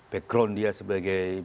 background dia sebagai